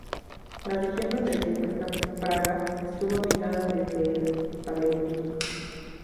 La región donde se encuentra Praga estuvo habitada desde el Paleolítico.